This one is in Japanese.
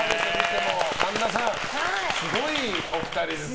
神田さん、すごいお二人ですね。